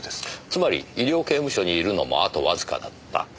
つまり医療刑務所にいるのもあとわずかだった。